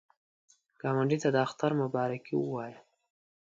ګاونډي ته د اختر مبارکي ووایه